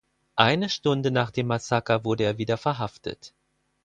Eine Stunde nach dem Massaker wurde er wieder verhaftet.